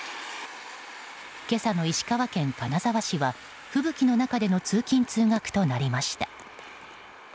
今朝の石川県金沢市は吹雪の中での通勤・通学となりました。